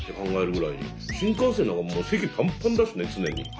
新幹線なんかもう席ぱんぱんだしね常に。